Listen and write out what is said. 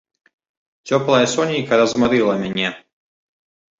Цёплае сонейка размарыла мяне.